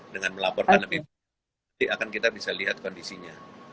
dengan melaporkan lebih nanti akan kita bisa lihat kondisinya